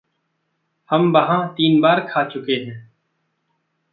हम वहाँ तीन बार खा चुके हैं।